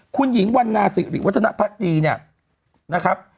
คุณหญิงวันนาสิริวัฒนภักดีเนี่ยนะครับ